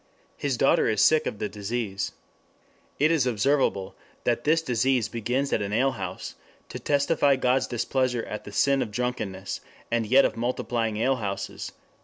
His daughter is sick of the disease. It is observable that this disease begins at an alehouse, to testify God's displeasure agt the sin of drunkenness & yt of multiplying alehouses!"